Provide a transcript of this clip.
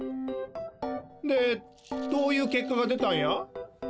でどういうけっかが出たんや？